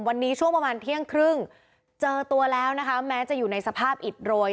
วันนี้ช่วงประมาณเที่ยงครึ่งเจอตัวแล้วนะคะแม้จะอยู่ในสภาพอิดโรย